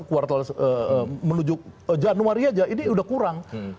kuartal menuju januari aja ini udah kurang